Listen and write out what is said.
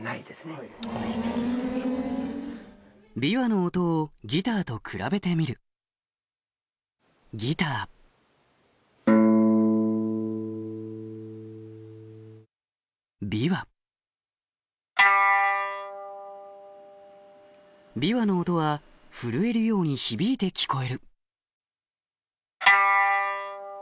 琵琶の音をギターと比べてみる琵琶の音は震えるように響いて聞こえる